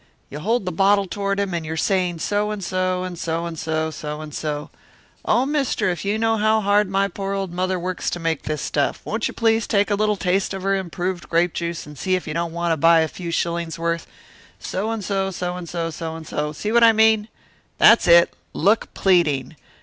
You hold the bottle toward him and you're saying so and so, so and so, so and so, 'Oh, Mister, if you knew how hard my poor old mother works to make this stuff! Won't you please take a little taste of her improved grape juice and see if you don't want to buy a few shillings' worth' so and so, so and so, so and so see what I mean? That's it, look pleading.